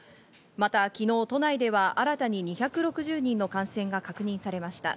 また昨日、都内では新たに２６０人の感染が確認されました。